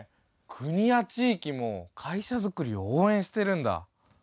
国や地域も会社づくりを応援してるんだ。